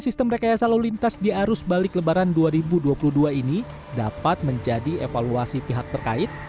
sistem rekayasa lalu lintas di arus balik lebaran dua ribu dua puluh dua ini dapat menjadi evaluasi pihak terkait